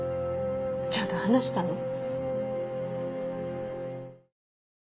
ちゃんと話したの？